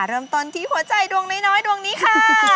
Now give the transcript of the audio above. เริ่มต้นที่หัวใจดวงน้อยดวงนี้ค่ะ